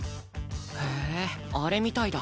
へえあれみたいだ。